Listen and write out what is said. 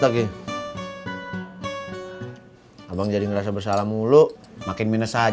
masih barang nggak saya cangkatinprés terutama